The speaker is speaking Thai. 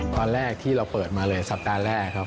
ตอนแรกที่เราเปิดมาเลยสัปดาห์แรกครับ